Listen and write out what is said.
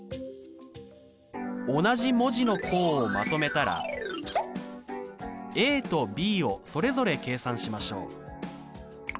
同じ文字の項をまとめたらとｂをそれぞれ計算しましょう。